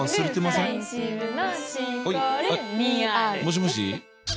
もしもし？